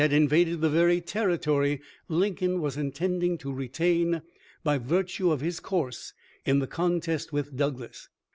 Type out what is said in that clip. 450 invaded the very territory Lincoln was intending to retain by virtue of his course in the contest with Douglas.